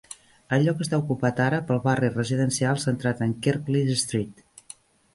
El lloc està ocupat ara pel barri residencial centrat en Kirklees Street.